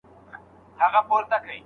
د کتاب فهرست مطالعه کړئ مخکې له اخيستلو.